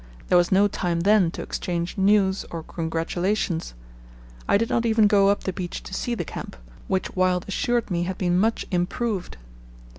There was no time then to exchange news or congratulations. I did not even go up the beach to see the camp, which Wild assured me had been much improved.